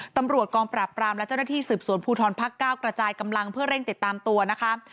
ตำรวจกองปราบปรามและเจ้าหน้าที่สืบสวนภูทรภักดิ์๙กระจายกำลังเพื่อเร่งติดตามตัวนะคะ